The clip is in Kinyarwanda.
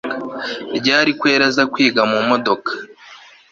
ryari kweli aza kwiga mumodoka